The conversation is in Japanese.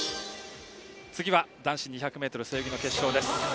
次は男子２００ｍ背泳ぎの決勝。